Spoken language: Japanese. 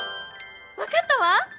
わかったわ！